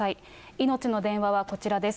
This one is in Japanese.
いのちの電話はこちらです。